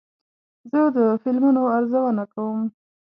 زه د فلمونو ارزونه کوم.